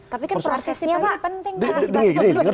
tapi kan prosesnya penting